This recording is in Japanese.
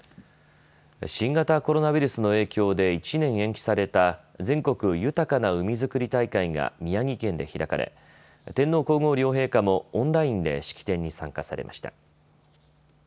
新型コロナウイルスの影響で１年延期された全国豊かな海づくり大会が宮城県で開かれ天皇皇后両陛下もオンラインで式典に参加されました。